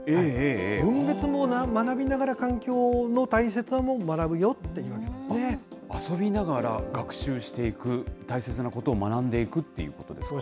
分別も学びながら、環境の大切さ遊びながら学習していく、大切なことを学んでいくっていうことですか。